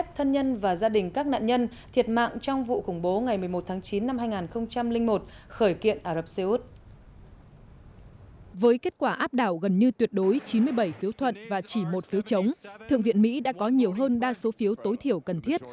hai trăm chín mươi bảy phiếu thuận và chỉ một phiếu chống thượng viện mỹ đã có nhiều hơn đa số phiếu tối thiểu cần thiết